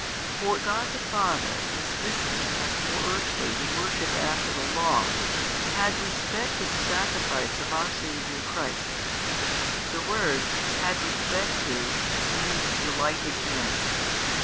For God the Father dismissing as more earthly the worship after the Law, had respect to the sacrifice of our Saviour Christ. The word, had respect to means Delighted in.